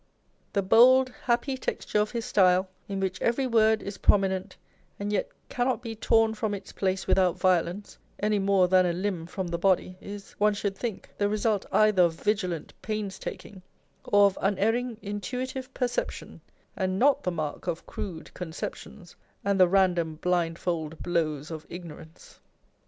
The bold 78 On Application to Study. happy texture of his style, in which every word is promi nent, and yet cannot be torn from its place without violence, any more than a limb from the body, is (one should think) the result either of vigilant painstaking or of unerring, intuitive perception, and not the mark of crude conceptions, and " the random, blindfold blows of Ignorance."